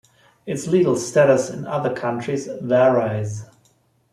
Its legal status in other countries varies.